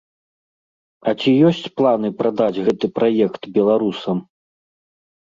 А ці ёсць планы прадаць гэты праект беларусам?